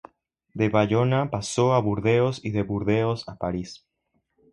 De Bayona pasó a Burdeos y de Burdeos a París.